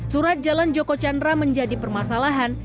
surat jalan joko chandra menjadi permasalahan